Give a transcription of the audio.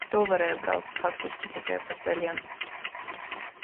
Ar to varēja braukt faktiski tikai pa ceļiem.